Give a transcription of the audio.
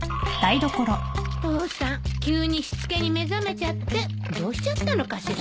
父さん急にしつけに目覚めちゃってどうしちゃったのかしらね。